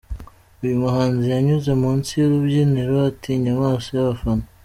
Uyu muhanzi yanyuze munsi y'urubyiniro atinya amaso y'abafana.